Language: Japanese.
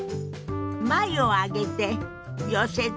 眉を上げて寄せて。